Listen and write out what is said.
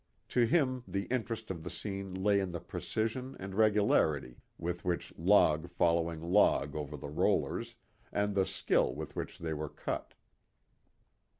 To him the interest of the scene lay in the precision and regularity with which log followed log over the rollers, and the skill with which they were cut.